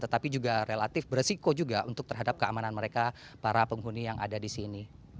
tetapi juga relatif beresiko juga untuk terhadap keamanan mereka para penghuni yang ada di sini